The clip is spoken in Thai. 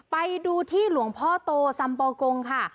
ไปดูที่หลวงพ่อโตสัมปอกงค่ะ